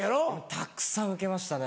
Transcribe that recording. たくさん受けましたね。